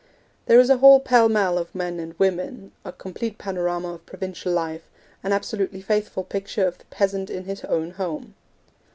There is a whole pell mell of men and women, a complete panorama of provincial life, an absolutely faithful picture of the peasant in his own home.